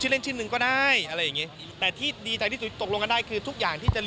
อ๋อเสด็จความเตรียมทุกอย่าง